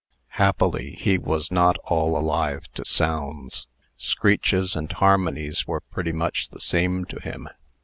Happily, he was not all alive to sounds. Screeches and harmonies were pretty much the same to him.